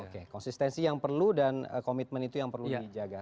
oke konsistensi yang perlu dan komitmen itu yang perlu dijaga